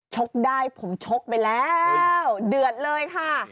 กได้ผมชกไปแล้วเดือดเลยค่ะ